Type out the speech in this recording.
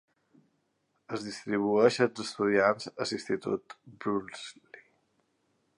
Es distribueix els estudiants a l'Institut Brusly.